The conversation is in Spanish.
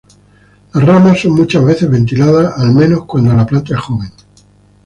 Las ramas son muchas veces verticiladas, al menos cuando la planta es joven.